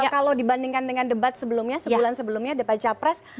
kalau dibandingkan dengan debat sebelumnya sebulan sebelumnya debat capres